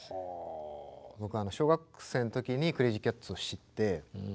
僕小学生の時にクレイジーキャッツを知って。